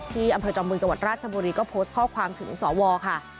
ที่อำเภอจอมบึงจังหวัดราชบุรีก็โพสต์ข้อความถึงสวค่ะ